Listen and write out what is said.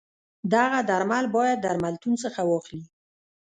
دغه درمل باید درملتون څخه واخلی.